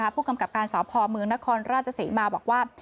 ผู้กำกับการสพเมืองนครราชศรีมาบอกว่า